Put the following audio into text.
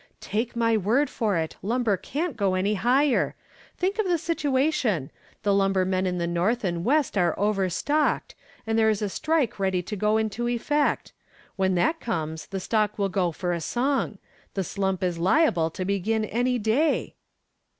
"Take my word for it Lumber can't go any higher. Think of the situation; the lumber men in the north and west are overstocked, and there is a strike ready to go into effect. When that comes the stock will go for a song. The slump is liable to begin any day."